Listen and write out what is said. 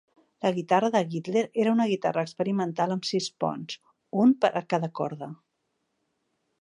La guitarra de Gittler era una guitarra experimental amb sis ponts, un per a cada corda.